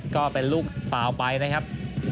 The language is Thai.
ก็เป็นลูกสาวไปนะครับ